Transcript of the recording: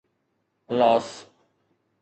Los